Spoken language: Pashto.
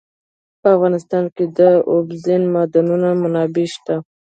په افغانستان کې د اوبزین معدنونه منابع شته.